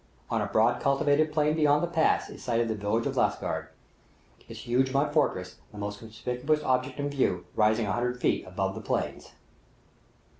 On a broad cultivated plain beyond the pass is sighted the village of Lasgird, its huge mud fortress, the most conspicuous object in view, rising a hundred feet above the plain.